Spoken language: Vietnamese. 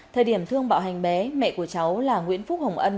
thời điểm thương bạo hành bé mẹ của cháu là nguyễn phúc hồng ân